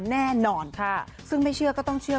แน่นอนค่ะซึ่งไม่เชื่อก็ต้องเชื่อ